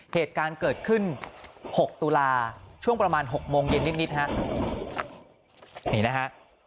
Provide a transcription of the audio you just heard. เหตุการณ์เกิดขึ้น๖ตุลาช่วงประมาณ๖โมงเย็นนิดนิดฮะนี่นะฮะ